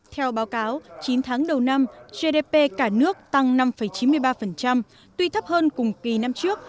theo báo cáo chín tháng đầu năm gdp cả nước tăng năm chín mươi ba tuy thấp hơn cùng kỳ năm trước